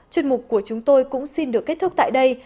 chuyên mục của chúng tôi cũng xin được kết thúc tại đây